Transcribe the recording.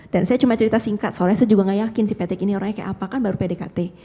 dan saya cuma cerita singkat soalnya saya juga gak yakin si patrick ini orangnya kayak apa kan baru pdkt